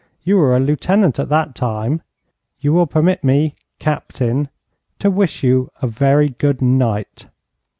'You were a lieutenant at that time. You will permit me, Captain, to wish you a very good night.'